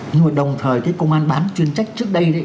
nhưng đồng thời công an bán chuyên trách trước đây